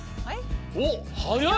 おっはやい！